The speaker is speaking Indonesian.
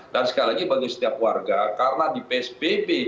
dan sekali lagi bagi setiap warga karena di psbb